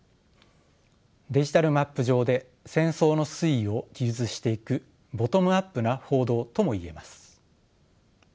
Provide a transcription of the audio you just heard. デジタルマップ上で戦争の推移を記述していくボトムアップな報道ともいえます。